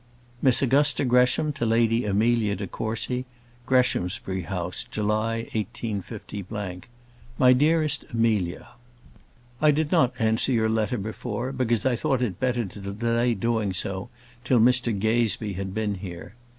Miss Augusta Gresham to Lady Amelia de Courcy Greshamsbury House, July, 185 . MY DEAREST AMELIA, I did not answer your letter before, because I thought it better to delay doing so till Mr Gazebee had been here.